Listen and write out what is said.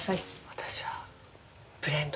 私はブレンド。